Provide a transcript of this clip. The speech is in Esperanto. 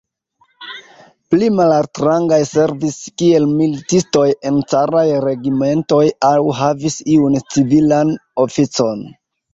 Pli malaltrangaj servis kiel militistoj en caraj regimentoj aŭ havis iun civilan oficon.